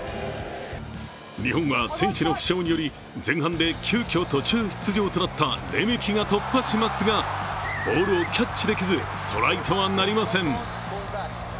日本は選手の負傷により前半で急きょ途中出場となったレメキが突破しますが、ボールをキャッチできずトライとはなりません